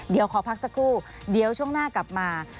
เดี๋ยวขอพักสักครู่เดี๋ยวช่วงหน้ากลับมา